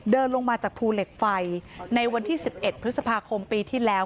ลงมาจากภูเหล็กไฟในวันที่๑๑พฤษภาคมปีที่แล้ว